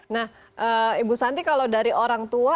nah ibu santi kalau dari orang tua